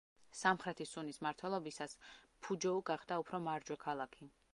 სამხრეთის სუნის მმართველობისას ფუჯოუ გახდა უფრო მარჯვე ქალაქი.